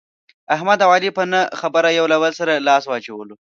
احمد او علي په نه خبره یو له بل سره لاس واچولو.